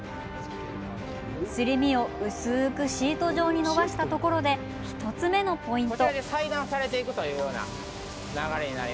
すり身を薄くシート状にのばしたところで１つ目のポイント。